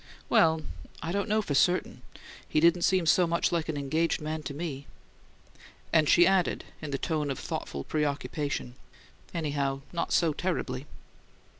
"Well I don't know for certain. He didn't seem so much like an engaged man to me." And she added, in the tone of thoughtful preoccupation: "Anyhow not so terribly!"